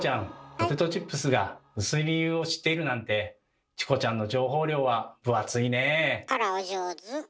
ポテトチップスが薄い理由を知っているなんてあらお上手。